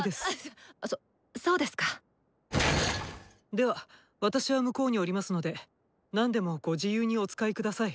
では私は向こうにおりますので何でもご自由にお使い下さい。